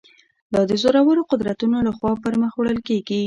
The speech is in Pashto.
دا د زورورو قدرتونو له خوا پر مخ وړل کېږي.